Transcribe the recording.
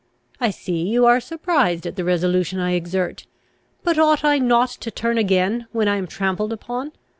I see you are surprised at the resolution I exert. But ought I not to turn again, when I am trampled upon?